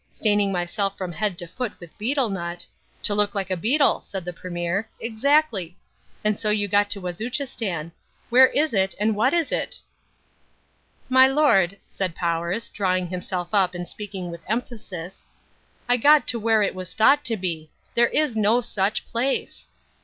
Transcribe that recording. Staining myself from head to foot with betel nut " "To look like a beetle," said the Premier. "Exactly. And so you got to Wazuchistan. Where is it and what is it?" "My lord," said Powers, drawing himself up and speaking with emphasis, "I got to where it was thought to be. There is no such place!"